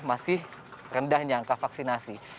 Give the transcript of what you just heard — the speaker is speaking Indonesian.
masih rendahnya angka vaksinasi